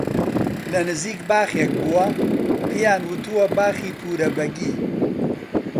لە نزیک باخێک بووە پێیان وتووە باخی پوورە بەگی